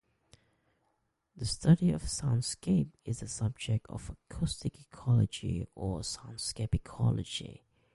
The study of soundscape is the subject of acoustic ecology or soundscape ecology.